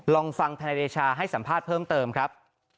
ลองฟังธนายเดชาให้สัมภาษณ์เพิ่มเติมครับ